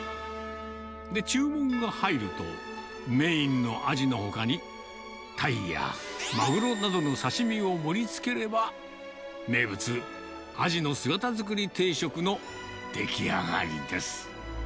で、注文が入ると、メインのアジのほかに、タイやマグロなどの刺身を盛りつければ、名物、アジの姿造り定食の出来上がりです。